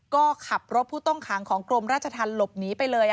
ก็ขับรถผู้ต้องขังของกรมราชธรรมหลบหนีไปเลย